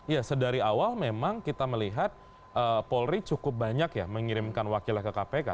ya sedari awal memang kita melihat polri cukup banyak ya mengirimkan wakilnya ke kpk